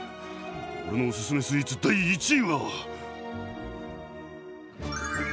俺のおすすめスイーツ第１位は。